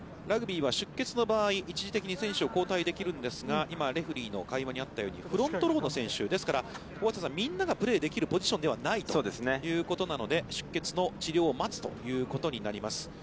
ラグビーは出血の場合、一時的に選手を交代できるんですが、今、レフリーの会話にあったようにフロントローの選手、ですから、みんながプレーできるポジションではないということで、出血の治療を待つということになります。